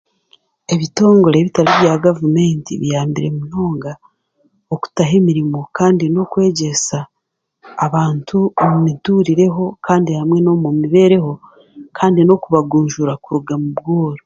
Ebitongore ebitari bya gavumenti biyambire munonga okutaho emirimo kandi n'okwegyesa abantu aha mituririreho kandi hamwe n'omu mibeereho kandi n'okubaagunjura kuruga mu bworo